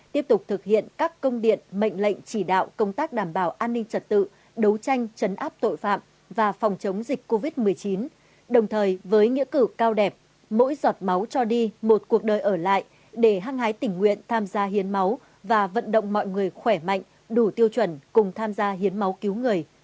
tiếp tục thực hiện các công điện mệnh lệnh chỉ đạo công tác đảm bảo an ninh trật tự đấu tranh chấn áp tội phạm và phòng chống dịch covid một mươi chín đồng thời với nghĩa cử cao đẹp mỗi giọt máu cho đi một cuộc đời ở lại để hăng hái tình nguyện tham gia hiến máu và vận động mọi người khỏe mạnh đủ tiêu chuẩn cùng tham gia hiến máu cứu người